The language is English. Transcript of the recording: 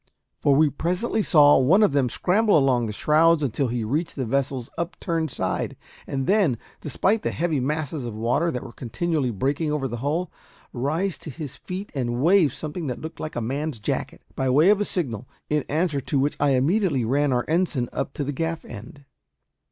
for we presently saw one of them scramble along the shrouds until he reached the vessel's upturned side, and then despite the heavy masses of water that were continually breaking over the hull rise to his feet and wave something that looked like a man's jacket, by way of a signal, in answer to which I immediately ran our ensign up to the gaff end.